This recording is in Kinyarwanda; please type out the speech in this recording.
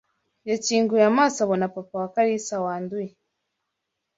Yakinguye amaso abona papa wa Karisa wanduye